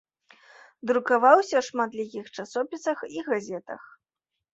Друкаваўся ў шматлікіх часопісах і газетах.